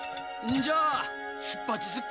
じゃあ出発すっか？